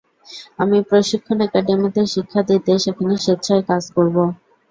আমি প্রশিক্ষণ একাডেমিতে শিক্ষা দিতে সেখানে স্বেচ্ছায় কাজ করব।